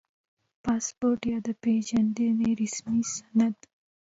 • پاسپورټ یا د پېژندنې رسمي سند